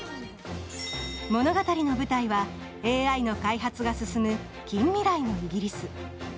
物語の舞台はＡＩの開発が進む近未来のイギリス。